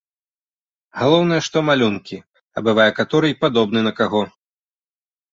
Галоўнае, што малюнкі, а бывае каторы й падобны на каго.